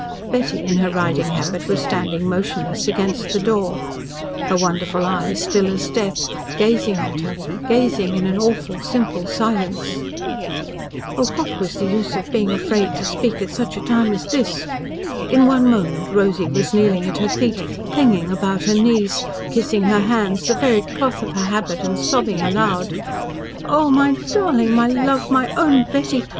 Betty, in her riding habit, was standing motionless against the door, her wonderful eyes still as death, gazing at her, gazing in an awful, simple silence. Oh, what was the use of being afraid to speak at such a time as this? In one moment Rosy was kneeling at her feet, clinging about her knees, kissing her hands, the very cloth of her habit, and sobbing aloud. "Oh, my darling my love my own Betty!